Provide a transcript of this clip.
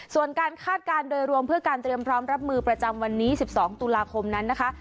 ส่วนการคาดการณ์โดยรวมเพื่อการเตรียมพร้อมรับมือประจำวันนี้๑๒ตุลาคมนั้นนะคะ